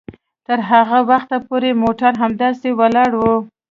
تر هغه وخته پورې موټر همداسې ولاړ وي